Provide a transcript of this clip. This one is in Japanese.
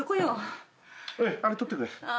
あれ取ってくれ。